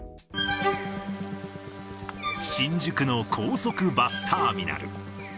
新宿の高速バスターミナル。